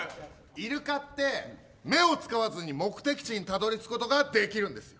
イルカって目を使わずに目的地にたどり着くことができるんですよ。